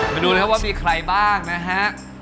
มาดูนะครับว่ามีใครบ้างนะฮะ